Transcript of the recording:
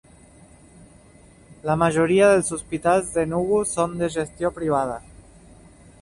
La majoria dels hospitals d'Enugu són de gestió privada.